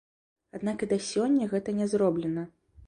Аднак і да сёння гэта не зроблена.